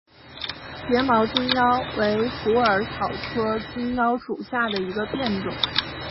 睫毛金腰为虎耳草科金腰属下的一个变种。